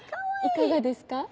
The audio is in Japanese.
いかがですか？